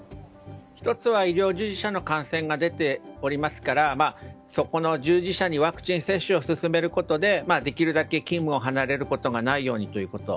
１つは医療従事者の感染が出ておりますからそこの従事者にワクチン接種を進めることでできるだけ勤務を離れることがないようにということ。